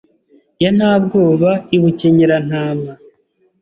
Ya Ntabwoba i Bukenyerantama